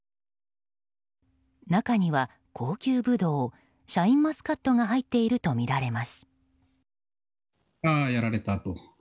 中には高級ブドウシャインマスカットが入っているとみられます。